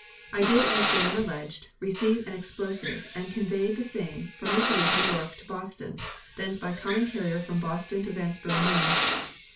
I did, as therein alleged, receive an explosive and conveyed the same from the city of New York to Boston, thence by common carrier from Boston to Vanceboro, Maine.